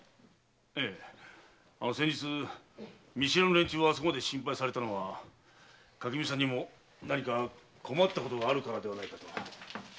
ええ先日見知らぬ連中をあそこまで心配されたのは垣見さんにも何か困ったことがあるからではないかと。